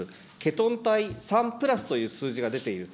ケトン体３プラスという数字が出ている。